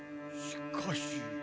しかし。